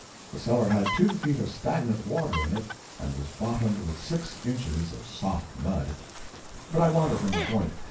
The cellar had two feet of stagnant water in it, and was bottomed with six inches of soft mud. But I wander from the point.